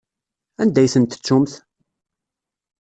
Anda ay tent-tettumt?